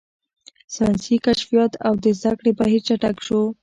ساینسي کشفیات او د زده کړې بهیر چټک شو.